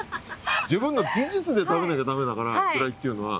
自分の技術で食べなきゃだめだから、フライっていうのは。